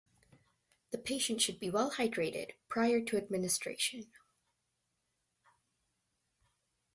The patient should be well-hydrated prior to administration.